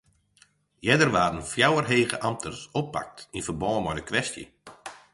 Earder waarden fjouwer hege amtners oppakt yn ferbân mei de kwestje.